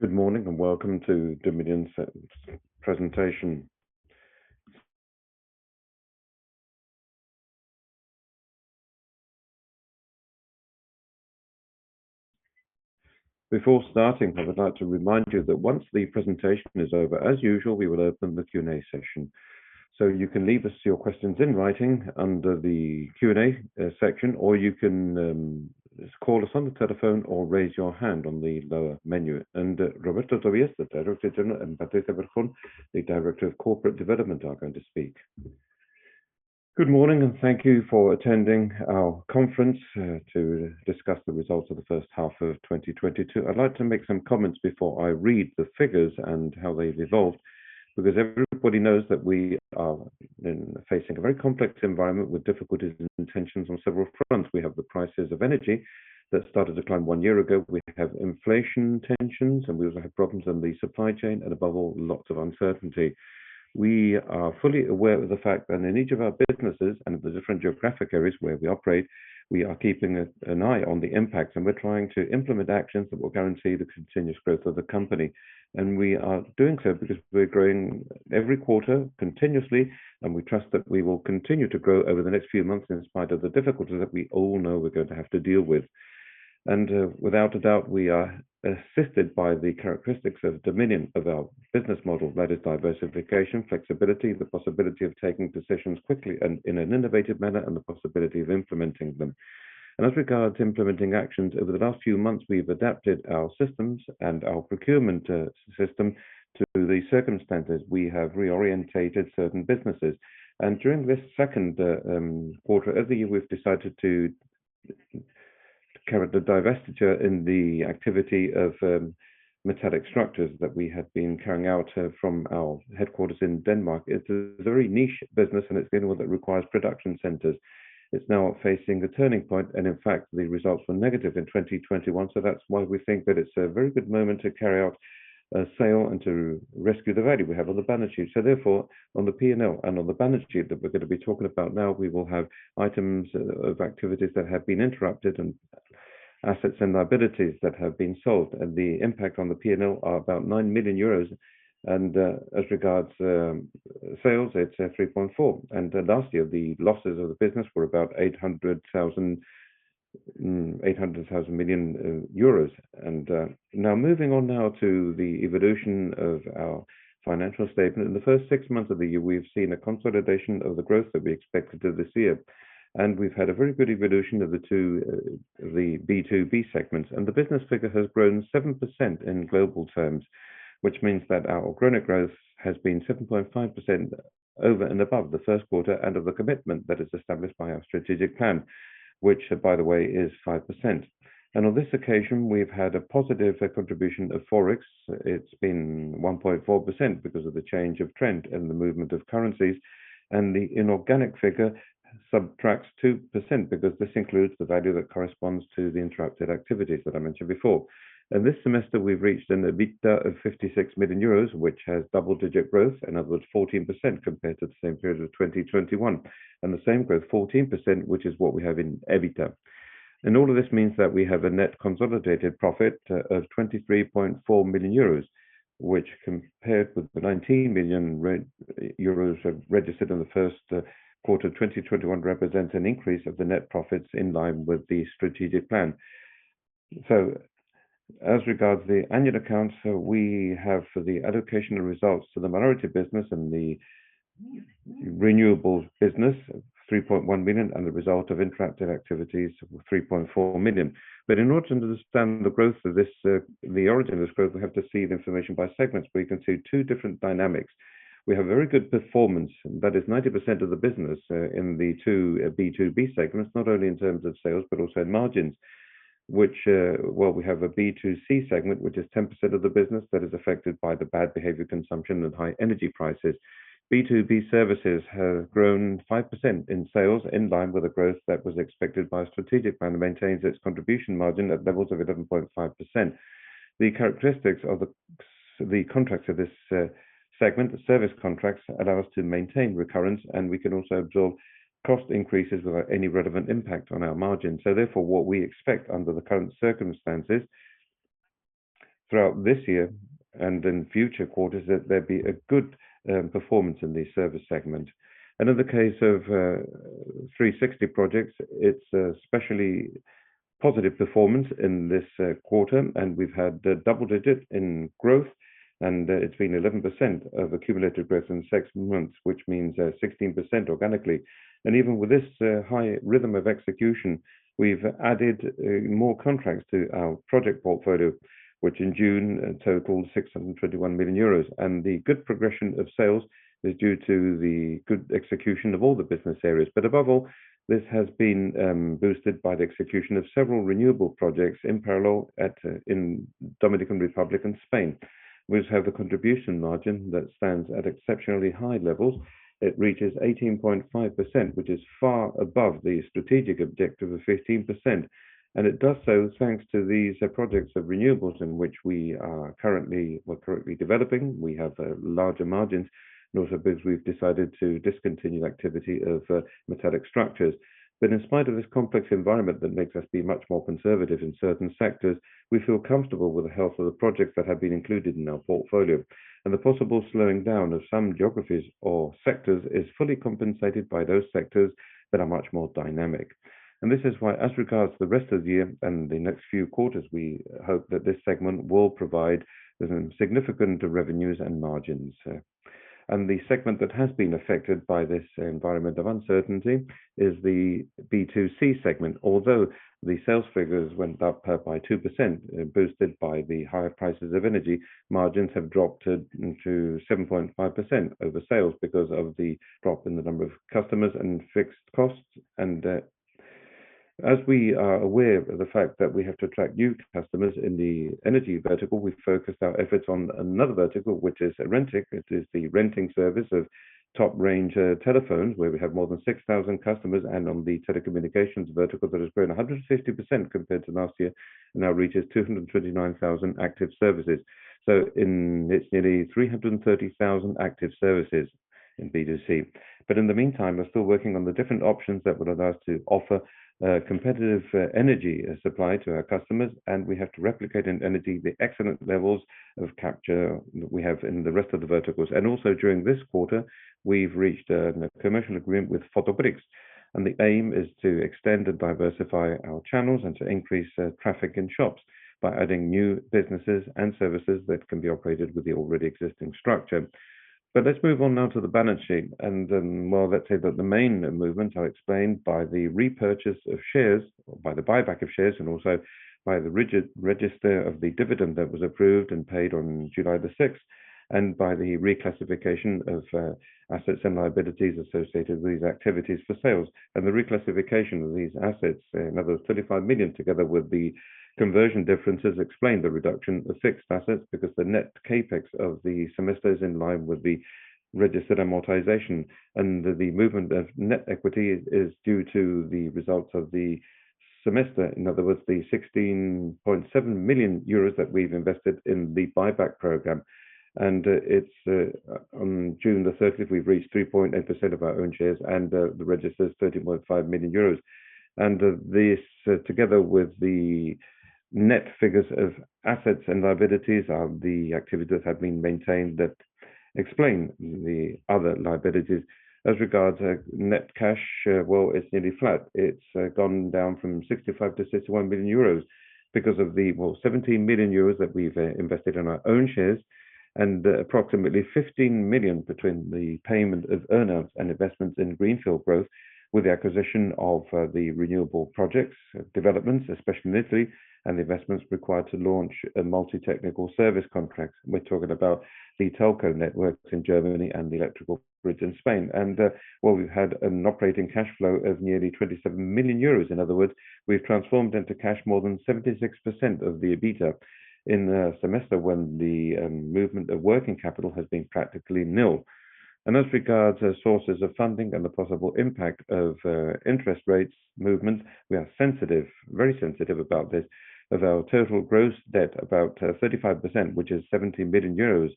Good morning, and welcome to Dominion's presentation. Before starting, I would like to remind you that once the presentation is over, as usual, we will open the Q&A session. You can leave us your questions in writing under the Q&A section, or you can call us on the telephone or raise your hand on the lower menu. Roberto Tobillas, the director general, and Patricia Berjón, the director of corporate development, are going to speak. Good morning, and thank you for attending our conference to discuss the results of the first half of 2022. I'd like to make some comments before I read the figures and how they've evolved, because everybody knows that we are facing a very complex environment with difficulties and tensions on several fronts. We have the prices of energy that started to climb one year ago. We have inflation tensions, and we also have problems in the supply chain, and above all, lots of uncertainty. We are fully aware of the fact that in each of our businesses and the different geographic areas where we operate, we are keeping an eye on the impacts, and we're trying to implement actions that will guarantee the continuous growth of the company. We are doing so because we're growing every quarter continuously, and we trust that we will continue to grow over the next few months in spite of the difficulties that we all know we're going to have to deal with. Without a doubt, we are assisted by the characteristics of Dominion, of our business model. That is diversification, flexibility, the possibility of taking decisions quickly and in an innovative manner, and the possibility of implementing them. As regards implementing actions, over the last few months, we've adapted our systems and our procurement system to the circumstances. We have reoriented certain businesses. During this second quarter of the year, we've decided to carry the divestiture in the activity of metallic structures that we have been carrying out from our headquarters in Denmark. It's a very niche business, and it's been one that requires production centers. It's now facing a turning point, and in fact, the results were negative in 2021, so that's why we think that it's a very good moment to carry out a sale and to rescue the value we have on the balance sheet. Therefore, on the P&L and on the balance sheet that we're going to be talking about now, we will have items of activities that have been interrupted and assets and liabilities that have been sold. The impact on the P&L are about 9 million euros, and as regards sales, it's 3.4 million. Last year, the losses of the business were about 0.8 million euros. Now moving on to the evolution of our financial statement. In the first six months of the year, we've seen a consolidation of the growth that we expected this year, and we've had a very good evolution of the two B2B segments. The business figure has grown 7% in global terms, which means that our organic growth has been 7.5% over and above the first quarter and of the commitment that is established by our strategic plan, which, by the way, is 5%. On this occasion, we've had a positive contribution of Forex. It's been 1.4% because of the change of trend and the movement of currencies. The inorganic figure subtracts 2% because this includes the value that corresponds to the interrupted activities that I mentioned before. This semester, we've reached an EBITDA of 56 million euros, which has double-digit growth, in other words, 14% compared to the same period of 2021, and the same growth, 14%, which is what we have in EBITDA. All of this means that we have a net consolidated profit of 23.4 million euros, which compared with the 19 million euros registered in the first quarter of 2021, represents an increase of the net profits in line with the strategic plan. As regards the annual accounts, we have the allocation of results to the minority business and the renewables business, 3.1 million, and the result of interrupted activities, 3.4 million. In order to understand the growth of this, the origin of this growth, we have to see the information by segments. We can see two different dynamics. We have very good performance. That is 90% of the business in the two B2B segments, not only in terms of sales, but also in margins, which we have a B2C segment, which is 10% of the business that is affected by the bad behavior consumption and high energy prices. B2B services have grown 5% in sales in line with the growth that was expected by strategic plan. It maintains its contribution margin at levels of 11.5%. The characteristics of the contracts of this segment, the service contracts, allow us to maintain recurrence, and we can also absorb cost increases without any relevant impact on our margin. Therefore, what we expect under the current circumstances throughout this year and in future quarters, that there be a good performance in the service segment. In the case of 360 Projects, it's an especially positive performance in this quarter, and we've had double digits in growth, and it's been 11% of accumulated growth in six months, which means 16% organically. Even with this high rhythm of execution, we've added more contracts to our project portfolio, which in June totaled 621 million euros. The good progression of sales is due to the good execution of all the business areas. Above all, this has been boosted by the execution of several renewable projects in parallel in Dominican Republic and Spain. We have a contribution margin that stands at exceptionally high levels. It reaches 18.5%, which is far above the strategic objective of 15%, and it does so, thanks to these projects of renewables in which we are currently developing. We have larger margins, and also because we've decided to discontinue activity of metallic structures. In spite of this complex environment that makes us be much more conservative in certain sectors, we feel comfortable with the health of the projects that have been included in our portfolio. The possible slowing down of some geographies or sectors is fully compensated by those sectors that are much more dynamic. This is why, as regards to the rest of the year and the next few quarters, we hope that this segment will provide some significant revenues and margins. The segment that has been affected by this environment of uncertainty is the B2C segment. Although the sales figures went up by 2%, boosted by the higher prices of energy, margins have dropped to 7.5% over sales because of the drop in the number of customers and fixed costs. As we are aware of the fact that we have to attract new customers in the energy vertical, we've focused our efforts on another vertical, which is Renting. It is the renting service of top range telephones, where we have more than 6,000 customers and on the telecommunications vertical that has grown 150% compared to last year and now reaches 229,000 active services. It's nearly 330,000 active services in B2C. In the meantime, we're still working on the different options that would allow us to offer competitive energy supply to our customers, and we have to replicate in energy the excellent levels of capture we have in the rest of the verticals. Also during this quarter, we've reached a commercial agreement with Fotoprix, and the aim is to extend and diversify our channels and to increase traffic in shops by adding new businesses and services that can be operated with the already existing structure. Let's move on now to the balance sheet, and then, well, let's say that the main movements are explained by the repurchase of shares, by the buyback of shares, and also by the registration of the dividend that was approved and paid on July 6th, and by the reclassification of assets and liabilities associated with these activities for sales. The reclassification of these assets, in other words, 35 million together with the conversion differences, explain the reduction of fixed assets because the net CapEx of the semester is in line with the registered amortization. The movement of net equity is due to the results of the semester. In other words, the 16.7 million euros that we've invested in the buyback program. It's on June 13th, we've reached 3.8% of our own shares, and the register is 30.5 million euros. This, together with the net figures of assets and liabilities, are the activities that have been maintained that explain the other liabilities. As regards to net cash, well, it's nearly flat. It's gone down from 65 million to 61 million euros because of the 17 million euros that we've invested in our own shares, and approximately 15 million between the payment of earnouts and investments in greenfield growth with the acquisition of the renewable projects developments, especially in Italy, and the investments required to launch multi-technical service contracts. We're talking about the telco networks in Germany and the electrical grid in Spain. Well, we've had an operating cash flow of nearly 27 million euros. In other words, we've transformed into cash more than 76% of the EBITDA in the semester when the movement of working capital has been practically nil. As regards to sources of funding and the possible impact of interest rates movement, we are sensitive, very sensitive about this. Of our total gross debt, about 35%, which is 17 billion euros,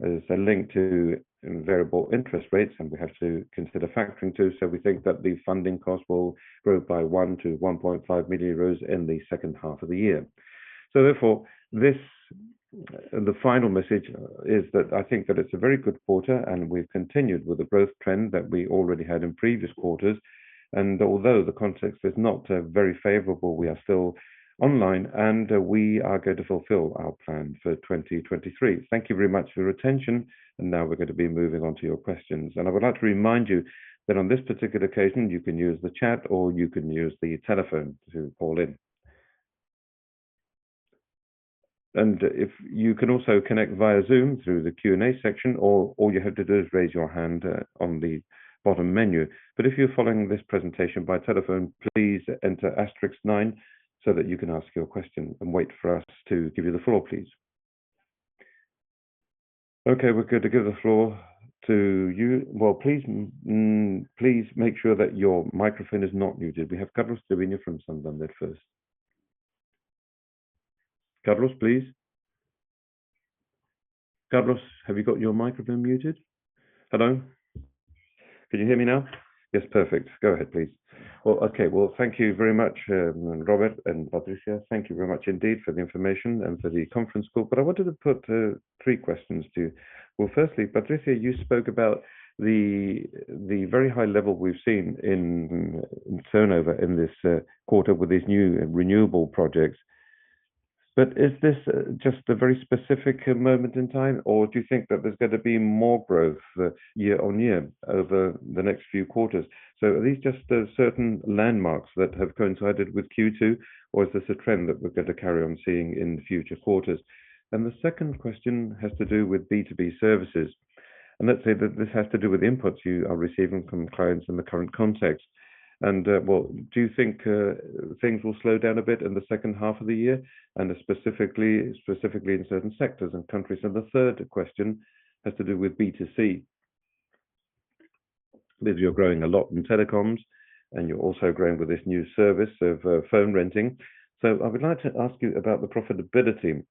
is linked to variable interest rates, and we have to consider factoring too. We think that the funding costs will grow by 1 million-1.5 million euros in the second half of the year. Therefore, the final message is that I think that it's a very good quarter, and we've continued with the growth trend that we already had in previous quarters. Although the context is not very favorable, we are still online, and we are going to fulfill our plan for 2023. Thank you very much for your attention. Now we're going to be moving on to your questions. I would like to remind you that on this particular occasion, you can use the chat or you can use the telephone to call in. If you can also connect via Zoom through the Q&A section, all you have to do is raise your hand on the bottom menu. If you're following this presentation by telephone, please enter star six nine so that you can ask your question and wait for us to give you the floor, please. Okay, we're going to give the floor to you. Well, please make sure that your microphone is not muted. We have Carlos Severino from Santander first. Carlos, please. Carlos, have you got your microphone muted? Hello? Can you hear me now? Yes, perfect. Go ahead, please. Well, okay. Well, thank you very much, Robert and Patricia. Thank you very much indeed for the information and for the conference call. I wanted to put three questions to you. Well, firstly, Patricia, you spoke about the very high level we've seen in turnover in this quarter with these new renewable projects. Is this just a very specific moment in time, or do you think that there's gonna be more growth year-over-year over the next few quarters? Are these just certain landmarks that have coincided with Q2, or is this a trend that we're gonna carry on seeing in future quarters? The second question has to do with B2B services. Let's say that this has to do with inputs you are receiving from clients in the current context. Well, do you think things will slow down a bit in the second half of the year and specifically in certain sectors and countries? The third question has to do with B2C. Because you're growing a lot in telecoms, and you're also growing with this new service of phone renting. I would like to ask you about the profitability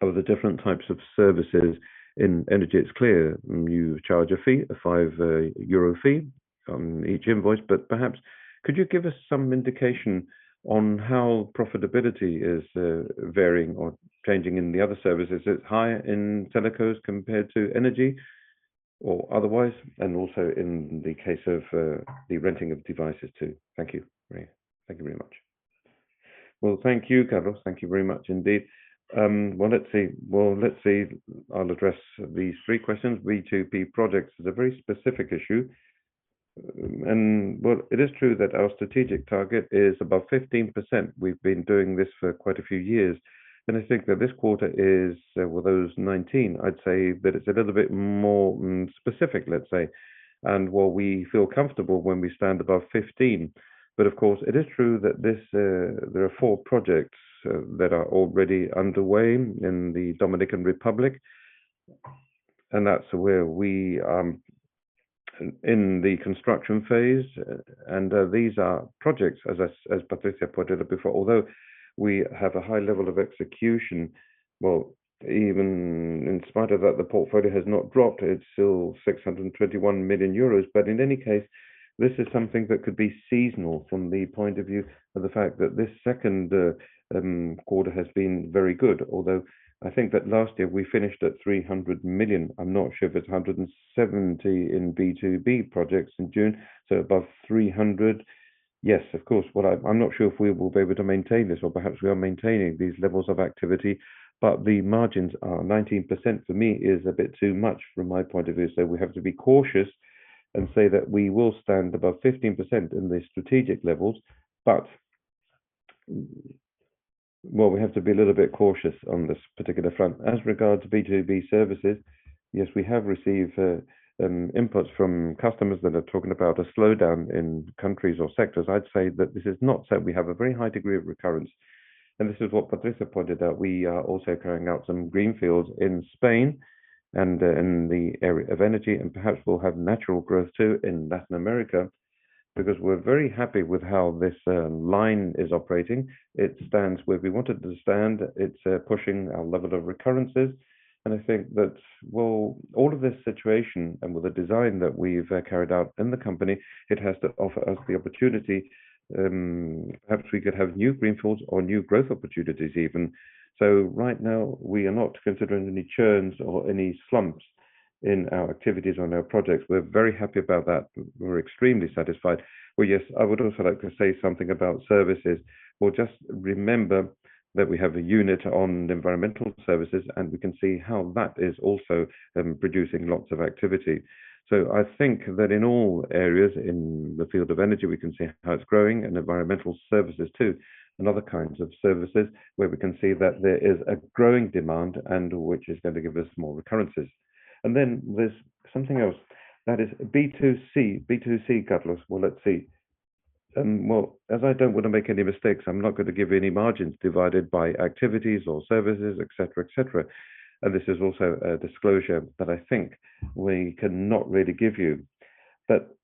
of the different types of services. In energy, it's clear you charge a fee, a 5 euro fee on each invoice. Perhaps could you give us some indication on how profitability is varying or changing in the other services? Is it higher in telcos compared to energy or otherwise? Also in the case of the renting of devices too. Thank you. Thank you very much. Well, thank you, Carlos. Thank you very much indeed. Well, let's see. I'll address these three questions. B2B projects is a very specific issue and. Well, it is true that our strategic target is above 15%. We've been doing this for quite a few years, and I think that this quarter is, well, those 19%, I'd say that it's a little bit more specific, let's say, and well, we feel comfortable when we stand above 15%. Of course, it is true that this, there are 4 projects that are already underway in the Dominican Republic, and that's where we in the construction phase. These are projects, as Patricia pointed out before. Although we have a high level of execution, well, even in spite of that, the portfolio has not dropped. It's still 621 million euros. In any case, this is something that could be seasonal from the point of view of the fact that this second quarter has been very good. Although I think that last year we finished at 300 million. I'm not sure if it's 170 million in B2B projects in June, so above 300. Yes, of course. Well, I'm not sure if we will be able to maintain this or perhaps we are maintaining these levels of activity, but the margins are 19%, for me, is a bit too much from my point of view. We have to be cautious and say that we will stand above 15% in the strategic levels. Well, we have to be a little bit cautious on this particular front. As regards B2B services, yes, we have received inputs from customers that are talking about a slowdown in countries or sectors. I'd say that this is not so. We have a very high degree of recurrence, and this is what Patricia pointed out. We are also carrying out some greenfields in Spain and in the area of energy, and perhaps we'll have natural growth too in Latin America because we're very happy with how this line is operating. It stands where we want it to stand. It's pushing our level of recurrences. I think that with all of this situation and with the design that we've carried out in the company, it has to offer us the opportunity, perhaps we could have new greenfields or new growth opportunities even. Right now, we are not considering any churns or any slumps in our activities or in our projects. We're very happy about that. We're extremely satisfied. Well, yes, I would also like to say something about services. Well, just remember that we have a unit on environmental services, and we can see how that is also producing lots of activity. I think that in all areas, in the field of energy, we can see how it's growing, and environmental services too, and other kinds of services, where we can see that there is a growing demand and which is going to give us more recurrences. Then there's something else. That is B2C. B2C, Carlos. Well, let's see. Well, as I don't want to make any mistakes, I'm not going to give you any margins divided by activities or services, et cetera, et cetera. This is also a disclosure that I think we cannot really give you.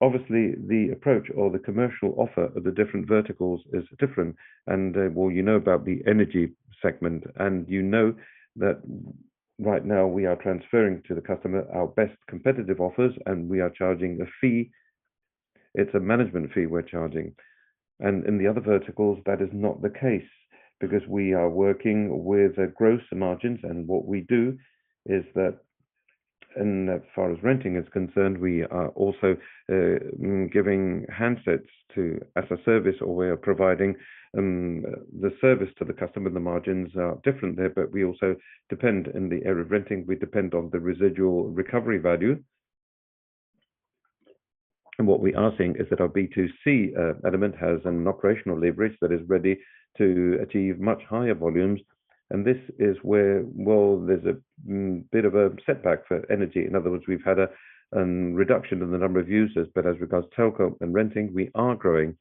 Obviously, the approach or the commercial offer of the different verticals is different. Well, you know about the energy segment, and you know that right now we are transferring to the customer our best competitive offers, and we are charging a fee. It's a management fee we're charging. In the other verticals, that is not the case because we are working with gross margins. What we do is that, and as far as renting is concerned, we are also giving handsets to as-a-service or we are providing the service to the customer. The margins are different there, but we also depend in the area of renting. We depend on the residual recovery value. What we are seeing is that our B2C element has an operational leverage that is ready to achieve much higher volumes. This is where, well, there's a bit of a setback for energy. In other words, we've had a reduction in the number of users. As regards telco and renting, we are growing.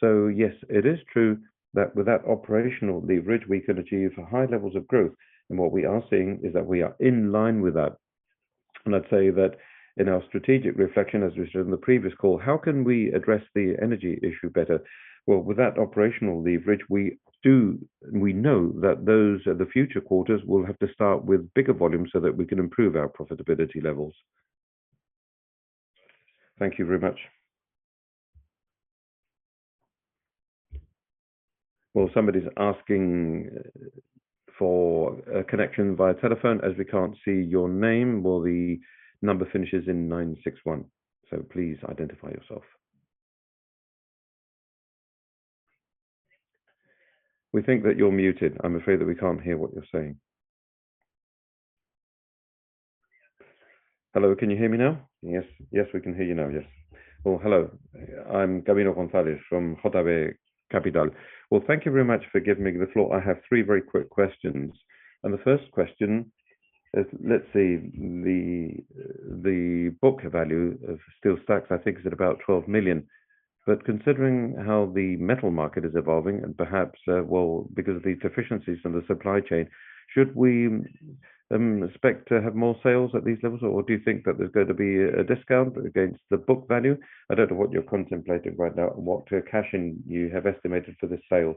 Yes, it is true that with that operational leverage, we can achieve high levels of growth. What we are seeing is that we are in line with that. I'd say that in our strategic reflection, as we said in the previous call, how can we address the energy issue better? Well, with that operational leverage, we know that those are the future quarters. We'll have to start with bigger volumes so that we can improve our profitability levels. Thank you very much. Somebody's asking for a connection via telephone. As we can't see your name. The number finishes in 961, so please identify yourself. We think that you're muted. I'm afraid that we can't hear what you're saying. Hello, can you hear me now? Yes. Yes, we can hear you now. Yes. Well, hello. I'm Gabino González from Hottinguer Capital. Well, thank you very much for giving me the floor. I have three very quick questions. The first question is, let's say, the book value of SteelStax, I think is at about 12 million. But considering how the metal market is evolving and perhaps because of these deficiencies in the supply chain, should we expect to have more sales at these levels? Or do you think that there's going to be a discount against the book value? I don't know what you're contemplating right now and what cash in you have estimated for this sale.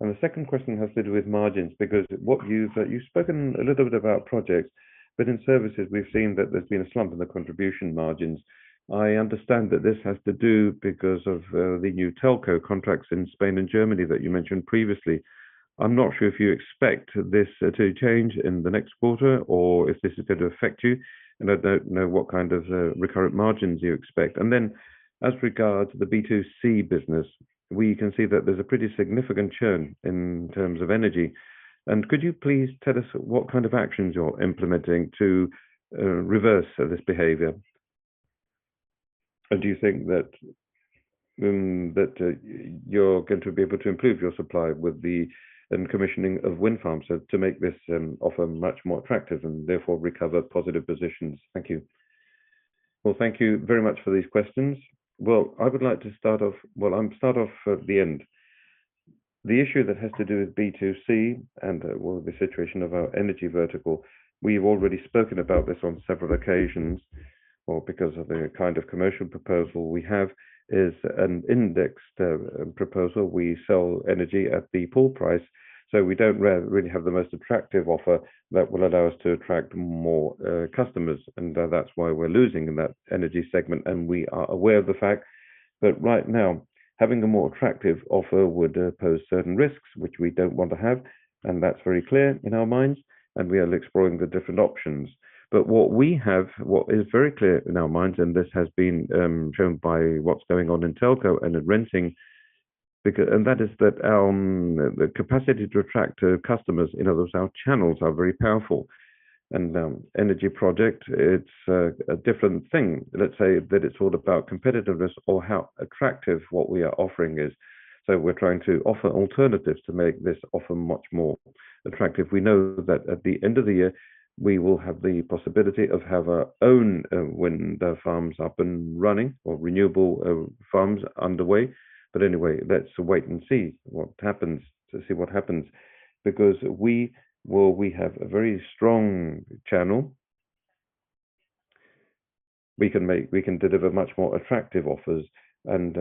The second question has to do with margins, because what you've spoken a little bit about projects, but in services we've seen that there's been a slump in the contribution margins. I understand that this has to do because of the new telco contracts in Spain and Germany that you mentioned previously. I'm not sure if you expect this to change in the next quarter or if this is going to affect you, and I don't know what kind of recurring margins you expect. Then as regards the B2C business, we can see that there's a pretty significant churn in terms of energy. Could you please tell us what kind of actions you're implementing to reverse this behavior? Do you think that you're going to be able to improve your supply with the commissioning of wind farms to make this offer much more attractive and therefore recover positive positions? Thank you. Well, thank you very much for these questions. Well, I would like to start off at the end. The issue that has to do with B2C and, well, the situation of our energy vertical, we've already spoken about this on several occasions or because of the kind of commercial proposal we have is an indexed proposal. We sell energy at the pool price, so we don't really have the most attractive offer that will allow us to attract more customers. That's why we're losing in that energy segment, and we are aware of the fact that right now, having a more attractive offer would pose certain risks, which we don't want to have, and that's very clear in our minds, and we are exploring the different options. What we have, what is very clear in our minds, and this has been shown by what's going on in telco and in renting, and that is that the capacity to attract customers. In other words, our channels are very powerful. Energy project, it's a different thing. Let's say that it's all about competitiveness or how attractive what we are offering is. We're trying to offer alternatives to make this offer much more attractive. We know that at the end of the year, we will have the possibility to have our own wind farms up and running or renewable farms underway. Anyway, let's wait and see what happens, because, well, we have a very strong channel. We can deliver much more attractive offers, and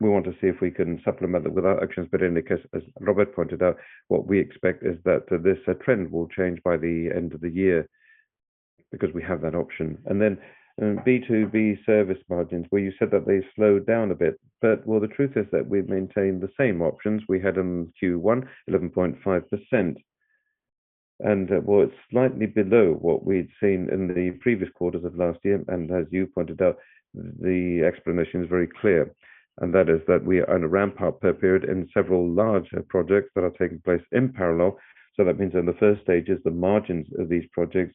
we want to see if we can supplement that with our actions. In any case, as Roberto pointed out, what we expect is that this trend will change by the end of the year because we have that option. Then, B2B service margins, where you said that they slowed down a bit. Well, the truth is that we've maintained the same options we had in Q1, 11.5%. Well, it's slightly below what we'd seen in the previous quarters of last year. As you pointed out, the explanation is very clear, and that is that we are in a ramp-up period in several large projects that are taking place in parallel. That means in the first stages, the margins of these projects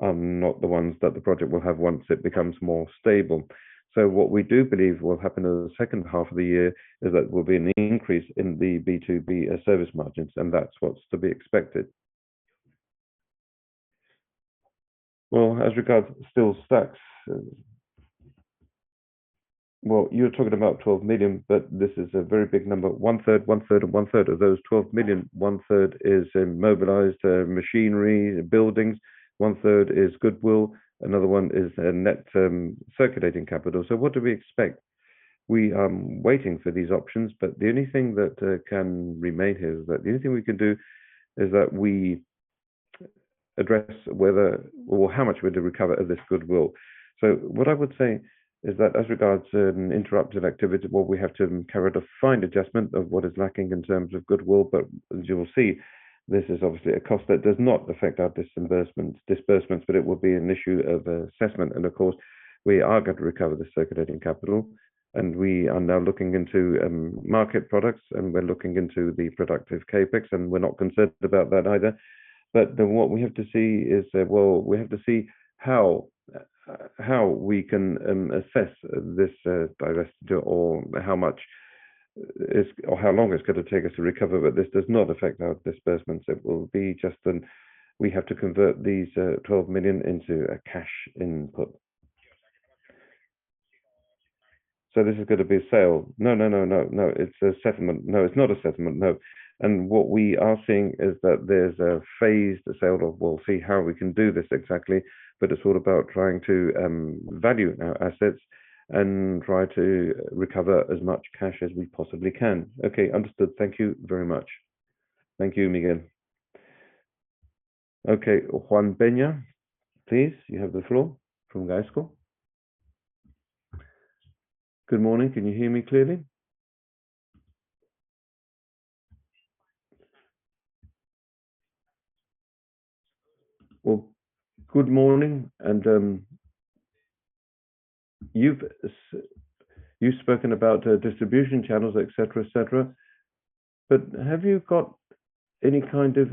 are not the ones that the project will have once it becomes more stable. What we do believe will happen in the second half of the year is that there will be an increase in the B2B service margins, and that's what's to be expected. Well, as regards SteelStax, well, you're talking about 12 million, but this is a very big number. 1/3, 1/3, and 1/3 of those 12 million. 1/3 is in mobilized machinery, buildings. 1/3 is goodwill. Another one is net circulating capital. What do we expect? We are waiting for these options, but the only thing that can remain here is that the only thing we can do is that we address whether or how much we're to recover of this goodwill. What I would say is that as regards interrupted activity, well, we have to carry out a fine adjustment of what is lacking in terms of goodwill, but as you will see, this is obviously a cost that does not affect our disbursements, but it would be an issue of assessment. Of course, we are going to recover the circulating capital, and we are now looking into market products, and we're looking into the productive CapEx, and we're not concerned about that either. What we have to see is that, well, we have to see how we can assess this divestiture or how long it's gonna take us to recover. This does not affect our disbursements. It will be just. We have to convert these 12 million into a cash input. This is gonna be a sale? No. It's a settlement. No, it's not a settlement. What we are seeing is that there's a phased sale. We'll see how we can do this exactly. It's all about trying to value our assets and try to recover as much cash as we possibly can. Okay, understood. Thank you very much. Thank you, Mikel. Okay, Juan Peña, please, you have the floor from GVC Gaesco. Good morning. Can you hear me clearly? Well, good morning. You've spoken about distribution channels, et cetera, et cetera. Have you got any kind of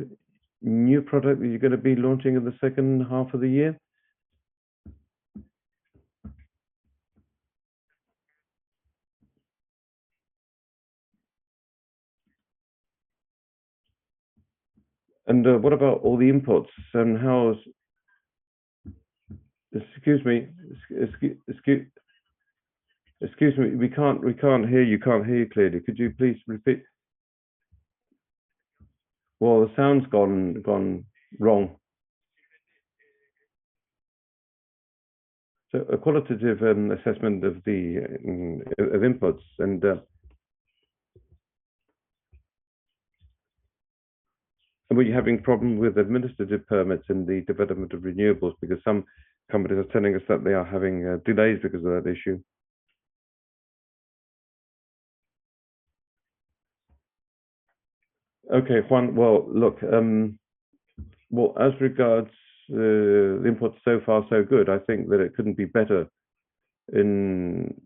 new product that you're gonna be launching in the second half of the year? What about all the inputs and how's... Excuse me. We can't hear you clearly. Could you please repeat? The sound's gone wrong. A qualitative assessment of the inputs and... Were you having problem with administrative permits in the development of renewables? Because some companies are telling us that they are having delays because of that issue. Okay, Juan. Well, look, well, as regards the inputs, so far so good. I think that it couldn't be better in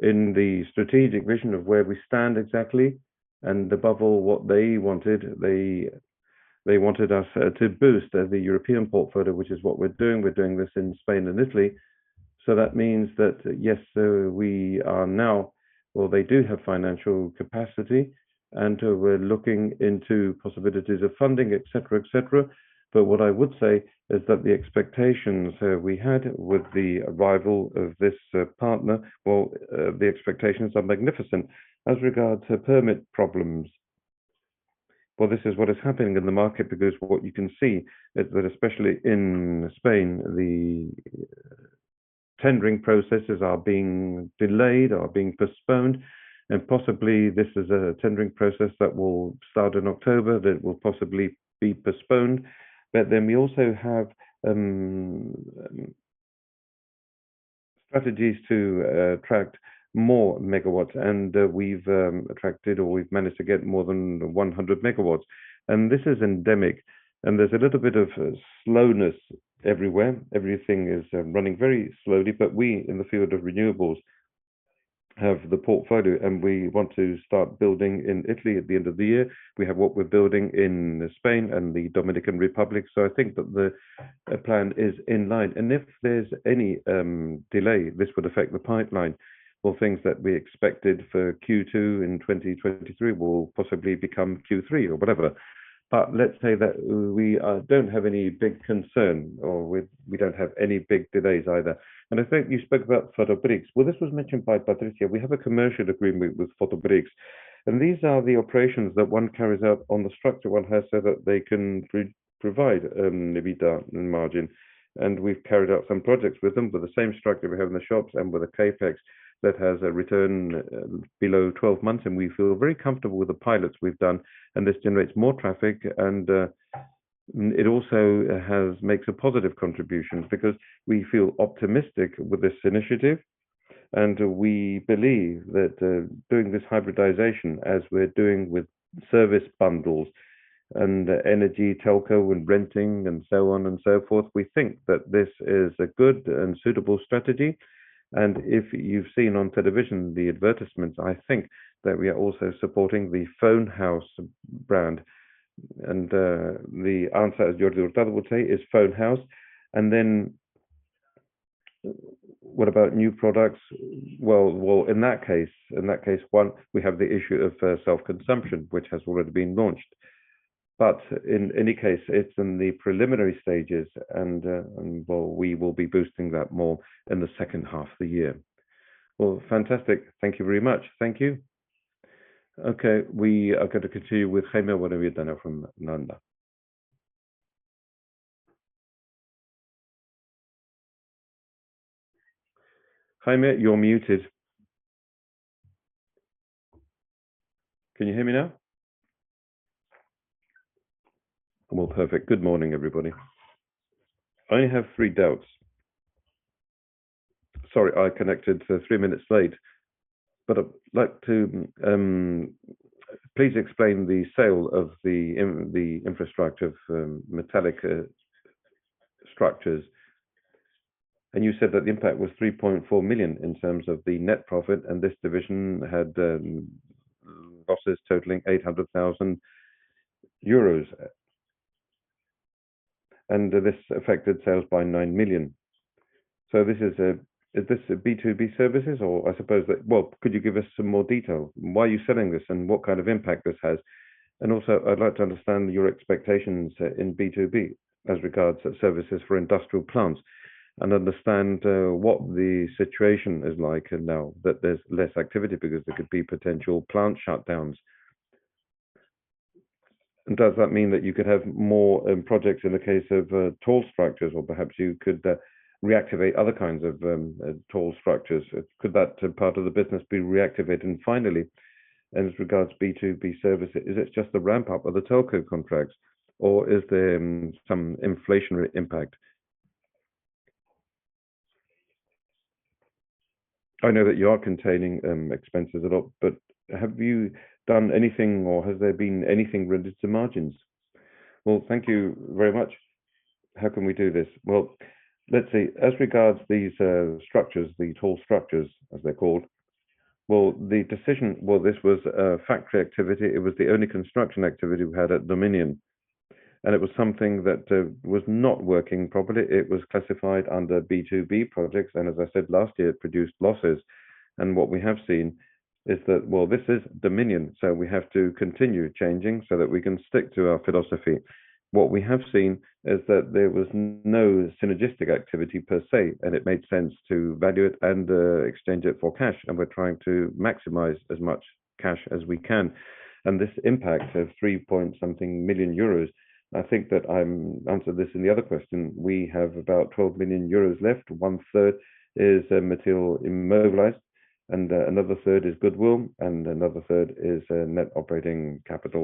the strategic vision of where we stand exactly and above all, what they wanted. They wanted us to boost the European portfolio, which is what we're doing. We're doing this in Spain and Italy. That means that, yes, we are now. They do have financial capacity, and we're looking into possibilities of funding, et cetera, et cetera. What I would say is that the expectations we had with the arrival of this partner, the expectations are magnificent. As regards to permit problems, this is what is happening in the market because what you can see is that, especially in Spain, the tendering processes are being delayed or being postponed, and possibly this is a tendering process that will start in October that will possibly be postponed. We also have strategies to attract more megawatts, and we've attracted or we've managed to get more than 100 MW. This is endemic, and there's a little bit of slowness everywhere. Everything is running very slowly, but we, in the field of renewables, have the portfolio, and we want to start building in Italy at the end of the year. We have what we're building in Spain and the Dominican Republic. I think that the plan is in line. If there's any delay, this would affect the pipeline or things that we expected for Q2 in 2023 will possibly become Q3 or whatever. Let's say that we don't have any big concern or we don't have any big delays either. I think you spoke about Fotoprix. Well, this was mentioned by Patricia. We have a commercial agreement with Fotoprix, and these are the operations that one carries out on the structure one has so that they can provide EBITDA margin. We've carried out some projects with them, with the same structure we have in the shops and with a CapEx that has a return below 12 months, and we feel very comfortable with the pilots we've done, and this generates more traffic, and it also makes a positive contribution because we feel optimistic with this initiative, and we believe that doing this hybridization as we're doing with service bundles and energy telco when renting and so on and so forth, we think that this is a good and suitable strategy. If you've seen on television the advertisements, I think that we are also supporting the Phone House brand. The answer, as Iñigo Gurtubay would say, is Phone House. Then what about new products? Well, in that case, one, we have the issue of self-consumption, which has already been launched. In any case, it's in the preliminary stages and well, we will be boosting that more in the second half of the year. Well, fantastic. Thank you very much. Thank you. Okay, we are going to continue with Jaime Villanueva from Alantra. Jaime, you're muted. Can you hear me now? Well, perfect. Good morning, everybody. I have three doubts. Sorry, I connected three minutes late, but I'd like to please explain the sale of the infrastructure of metallic structures. You said that the impact was 3.4 million in terms of the net profit, and this division had losses totaling EUR 800,000. This affected sales by 9 million. This is this a B2B services or I suppose that. Well, could you give us some more detail? Why are you selling this, and what kind of impact this has? Also, I'd like to understand your expectations in B2B as regards services for industrial plants and understand what the situation is like and now that there's less activity because there could be potential plant shutdowns. Does that mean that you could have more projects in the case of tall structures or perhaps you could reactivate other kinds of tall structures? Could that part of the business be reactivated? Finally, as regards B2B service, is it just the ramp-up of the telco contracts, or is there some inflationary impact? I know that you are containing expenses a lot, but have you done anything, or has there been anything regarding margins? Well, thank you very much. How can we do this? Well, let's see. As regards these structures, the tall structures as they're called, this was a factoring activity. It was the only construction activity we had at Dominion, and it was something that was not working properly. It was classified under B2B projects, and as I said last year, it produced losses. What we have seen is that this is Dominion, so we have to continue changing so that we can stick to our philosophy. What we have seen is that there was no synergistic activity per se, and it made sense to value it and exchange it for cash, and we're trying to maximize as much cash as we can. This impact of 3-something million euros, I think that I answered this in the other question. We have about 12 million euros left. 1/3 is material immobilized, and another third is goodwill, and another third is net operating capital.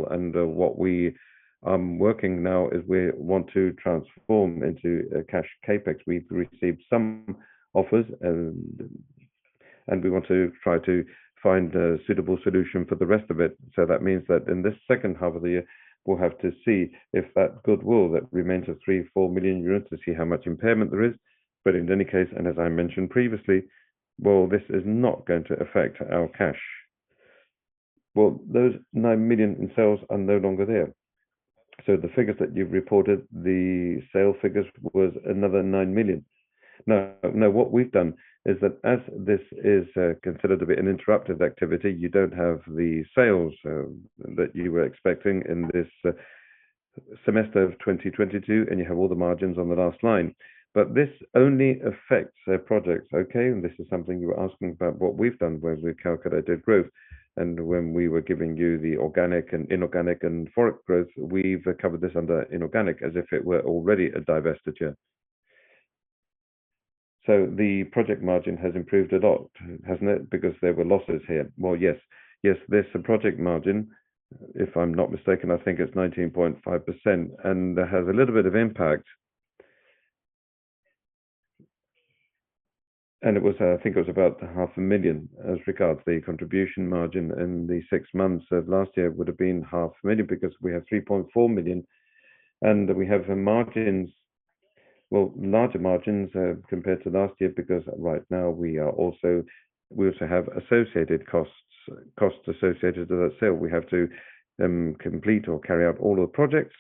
What we working now is we want to transform into a cash CapEx. We've received some offers and we want to try to find a suitable solution for the rest of it. That means that in this second half of the year, we'll have to see if that goodwill that remains at 3 million-4 million euros to see how much impairment there is. In any case, and as I mentioned previously, well, this is not going to affect our cash. Well, those 9 million in sales are no longer there. The figures that you've reported, the sale figures was another 9 million. Now what we've done is that as this is considered to be an interrupted activity, you don't have the sales that you were expecting in this semester of 2022, and you have all the margins on the last line. This only affects projects, okay? This is something you were asking about. What we've done was we calculated growth, and when we were giving you the organic and inorganic and Forex growth, we've covered this under inorganic as if it were already a divestiture. The project margin has improved a lot, hasn't it? Because there were losses here. Well, yes. Yes, there's a project margin. If I'm not mistaken, I think it's 19.5%, and that has a little bit of impact. It was, I think, about 500,000. As regards the contribution margin in the six months of last year. It would have been half a million because we have 3.4 million and we have margins, well, larger margins, compared to last year, because right now we also have associated costs associated to that sale. We have to complete or carry out all the projects.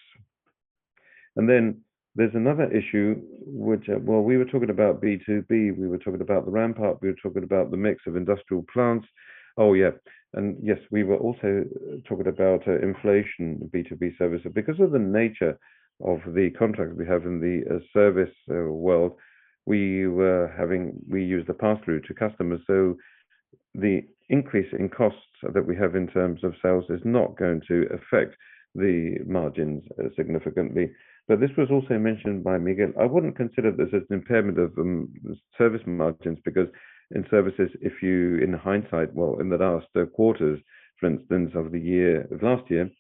Then there's another issue which, well, we were talking about B2B. We were talking about the ramp-up. We were talking about the mix of industrial plants. Oh, yeah. Yes, we were also talking about inflation B2B services. Because of the nature of the contracts we have in the service world, we use the pass-through to customers. The increase in costs that we have in terms of sales is not going to affect the margins significantly. This was also mentioned by Mikel. I wouldn't consider this as an impairment of service margins because in services, if you in hindsight, in the last quarters, for instance, of the year, of last year,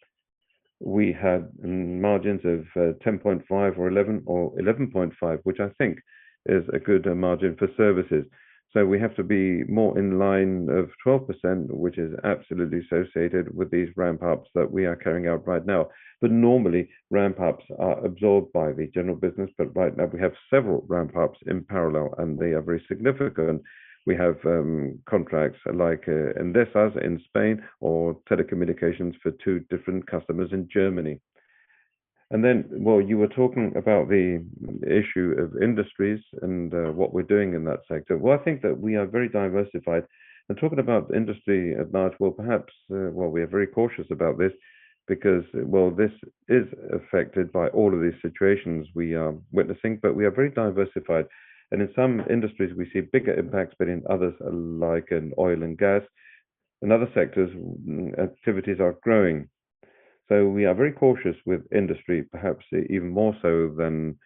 we had margins of 10.5% or 11% or 11.5%, which I think is a good margin for services. We have to be more in line of 12%, which is absolutely associated with these ramp-ups that we are carrying out right now. Normally, ramp-ups are absorbed by the general business. Right now we have several ramp-ups in parallel, and they are very significant. We have contracts like Endesa in Spain or telecommunications for two different customers in Germany. You were talking about the issue of industries and what we're doing in that sector. I think that we are very diversified. Talking about industry at large, we are very cautious about this because this is affected by all of these situations we are witnessing, but we are very diversified. In some industries we see bigger impacts, but in others, like in oil and gas and other sectors, activities are growing. We are very cautious with industry, perhaps even more so than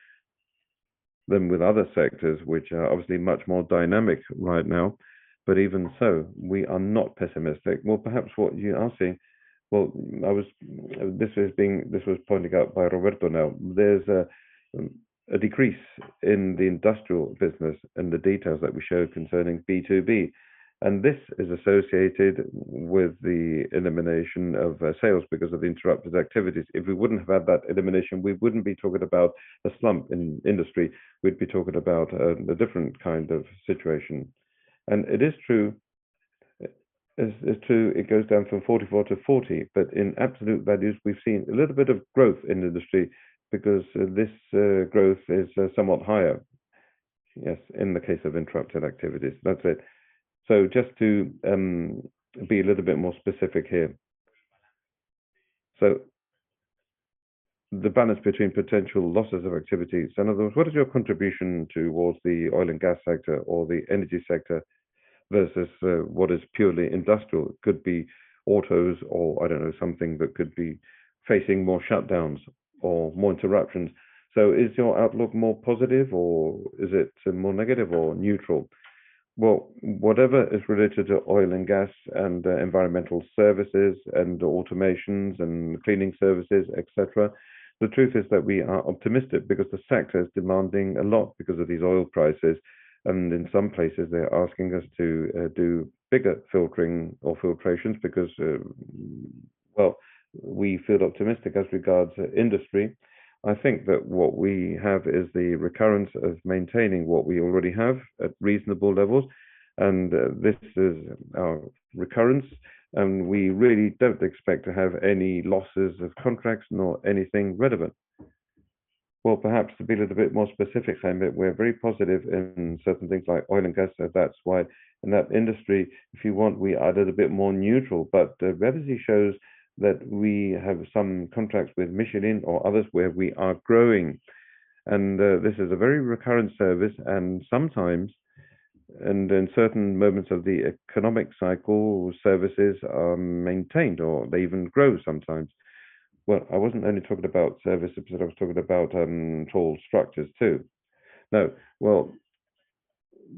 with other sectors, which are obviously much more dynamic right now. Even so, we are not pessimistic. This was pointed out by Roberto now. There's a decrease in the industrial business and the details that we showed concerning B2B, and this is associated with the elimination of sales because of interrupted activities. If we wouldn't have had that elimination, we wouldn't be talking about a slump in industry. We'd be talking about a different kind of situation. It is true, it goes down from 44% to 40%, but in absolute values, we've seen a little bit of growth in industry because this growth is somewhat higher, yes, in the case of interrupted activities. That's it. Just to be a little bit more specific here. The balance between potential losses of activities. In other words, what is your contribution towards the oil and gas sector or the energy sector versus, what is purely industrial? Could be autos or, I don't know, something that could be facing more shutdowns or more interruptions. Is your outlook more positive or is it more negative or neutral? Well, whatever is related to oil and gas and, environmental services and automations and cleaning services, et cetera, the truth is that we are optimistic because the sector is demanding a lot because of these oil prices, and in some places they're asking us to, do bigger filtering or filtrations because. Well, we feel optimistic as regards to industry. I think that what we have is the recurrence of maintaining what we already have at reasonable levels, and this is our recurrence, and we really don't expect to have any losses of contracts nor anything relevant. Well, perhaps to be a little bit more specific, Jaime, we're very positive in certain things like oil and gas, so that's why in that industry, if you want, we are a little bit more neutral. The revenue shows that we have some contracts with Michelin or others where we are growing. This is a very recurrent service and sometimes, and in certain moments of the economic cycle, services are maintained or they even grow sometimes. Well, I wasn't only talking about services, but I was talking about tall structures too.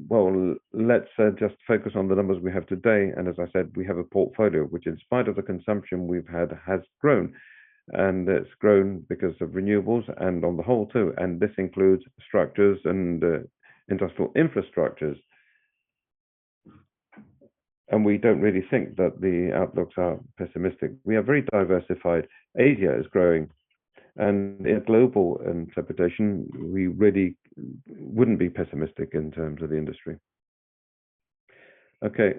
Well, let's just focus on the numbers we have today. As I said, we have a portfolio which in spite of the consumption we've had, has grown. It's grown because of renewables and on the whole too, and this includes structures and industrial infrastructures. We don't really think that the outlooks are pessimistic. We are very diversified. Asia is growing, and in global interpretation, we really wouldn't be pessimistic in terms of the industry. Okay.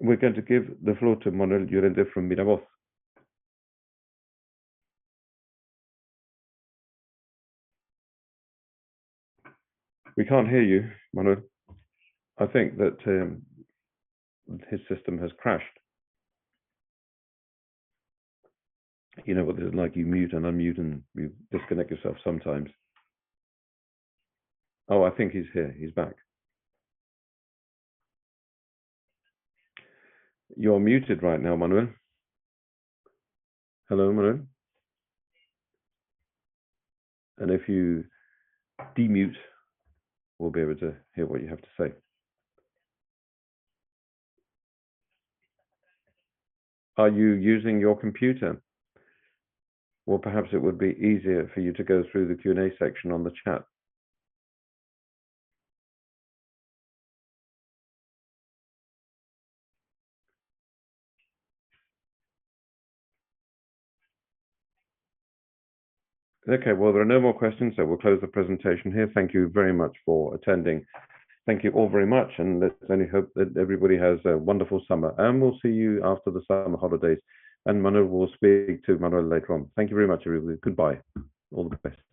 We're going to give the floor to Manuel Llorente from Mirabaud. We can't hear you, Manuel. I think that his system has crashed. You know what it's like. You mute and unmute, and you disconnect yourself sometimes. Oh, I think he's here. He's back. You're muted right now, Manuel. Hello, Manuel. If you de-mute, we'll be able to hear what you have to say. Are you using your computer? Perhaps it would be easier for you to go through the Q&A section on the chat. Okay, well, there are no more questions, so we'll close the presentation here. Thank you very much for attending. Thank you all very much, and let's only hope that everybody has a wonderful summer, and we'll see you after the summer holidays. Manuel, we'll speak to Manuel later on. Thank you very much, everybody. Goodbye. All the best.